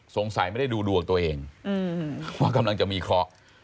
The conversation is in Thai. ไม่ได้ดูดวงตัวเองว่ากำลังจะมีเคราะห์